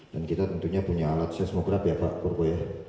dan kita tentunya punya alat seismograf ya pak kurko ya